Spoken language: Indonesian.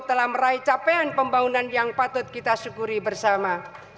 telah meraih capaian pembangunan yang patut kita syukuri bersama